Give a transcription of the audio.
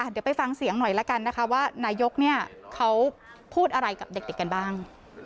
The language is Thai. เดี๋ยวไปฟังเสียงหน่อยละกันนะคะว่านายกเขาพูดอะไรกับเด็กกันบ้าง